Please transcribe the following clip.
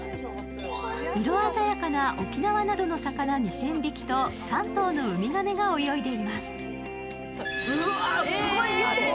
色鮮やかな沖縄などの魚２０００匹と３頭のウミガメが泳いでいます。